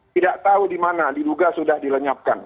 tidak tahu di mana diduga sudah dilenyapkan